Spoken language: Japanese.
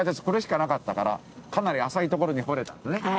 これしかなかったからかなり浅いところに掘れたんですね。